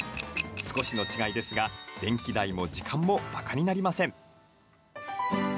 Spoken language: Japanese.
少しの違いですが電気代も時間もばかになりません。